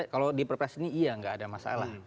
kalau di perpres ini iya nggak ada masalah